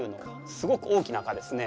すごく大きな蚊ですね。